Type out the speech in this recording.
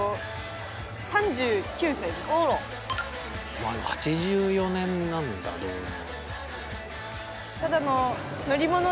まあでも８４年なんだ導入。